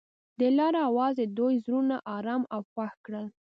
د لاره اواز د دوی زړونه ارامه او خوښ کړل.